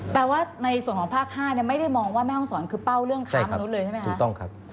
แปลว่าในส่วนของภาค๕เนี่ยไม่ได้มองว่าแม่ห้องสอนคือเป้าเรื่องคำนู้นเลยใช่ไหมครับถูกต้องครับ